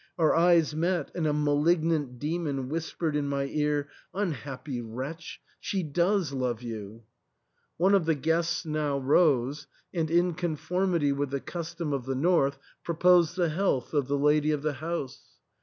Our eyes met, and a malig nant demon whispered in my ear, " Unhappy wretch, 270 THE ENTAIL. she does love you !" One of the guests now rose, and, in conformity with the custom of the North, proposed the health of the lady of the house.